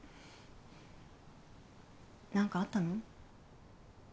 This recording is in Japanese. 何かあったの？